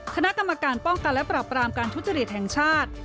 คณะกรรมการป้องกันและปรับรามการทุจริตแห่งชาติ